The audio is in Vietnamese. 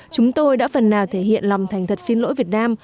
chúng tôi đã phần nào thể hiện lòng thành thật xin lỗi việt nam